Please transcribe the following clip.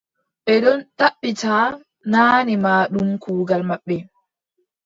Ɓe ɗon ɗaɓɓita, naane ma ɗum kuugal maɓɓe.